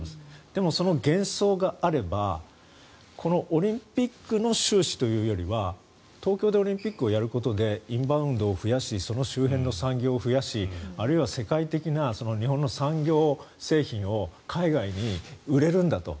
でもその幻想があればこのオリンピックの収支というよりは東京でオリンピックをやることでインバウンドを増やしその周辺の産業を増やしあるいは世界的な日本の産業製品を海外に売れるんだと。